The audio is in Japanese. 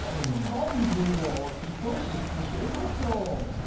昆布を１つ付けましょう